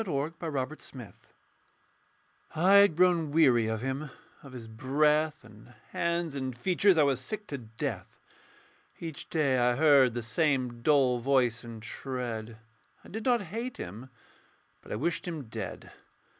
THOU SHALT NOT KILL I had grown weary of him; of his breath And hands and features I was sick to death. Each day I heard the same dull voice and tread; I did not hate him: but I wished him dead.